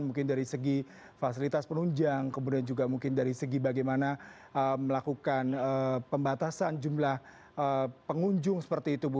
mungkin dari segi fasilitas penunjang kemudian juga mungkin dari segi bagaimana melakukan pembatasan jumlah pengunjung seperti itu bu